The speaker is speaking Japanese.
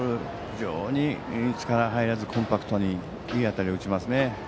非常に力を入れず、コンパクトにいい当たりを打ちますね。